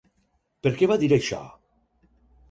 Per què va dir això?